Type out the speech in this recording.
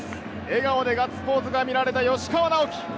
笑顔でガッツポーズが見られた吉川尚輝。